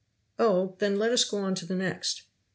"Oh! then let us go on to the next."